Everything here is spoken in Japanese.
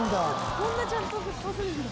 こんなちゃんと沸騰するんだ。